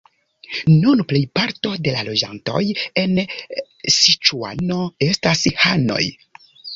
Nun plejparto de la loĝantoj en Siĉuano estas hanoj.